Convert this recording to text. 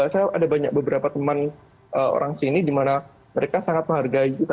saya ada banyak beberapa teman orang sini dimana mereka sangat menghargai kita